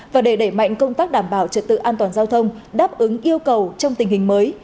và để đẩy mạnh công tác đảm bảo trật tự an toàn giao thông đáp ứng yêu cầu trong tình hình mới